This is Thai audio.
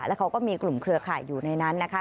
แล้วเขาก็มีกลุ่มเครือข่ายอยู่ในนั้นนะคะ